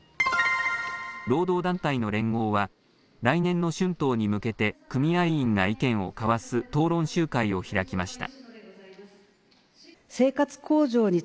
労働団体の連合は来年の春闘に向けて組合員が意見を交わす討論集会を開きました。